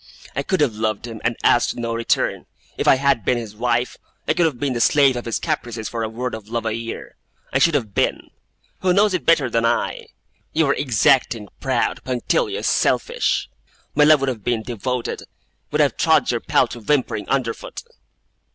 'I could have loved him, and asked no return. If I had been his wife, I could have been the slave of his caprices for a word of love a year. I should have been. Who knows it better than I? You were exacting, proud, punctilious, selfish. My love would have been devoted would have trod your paltry whimpering under foot!